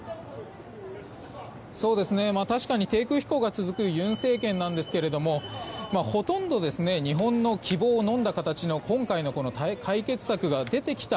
確かに低空飛行が続く尹政権ですがほとんど、日本の希望をのんだ形の今回の解決策が出てきた